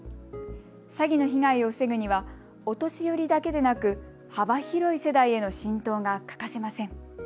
詐欺の被害を防ぐにはお年寄りだけでなく幅広い世代への浸透が欠かせません。